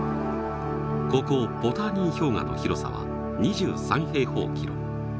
ここポターニン氷河の広さは２３平方キロ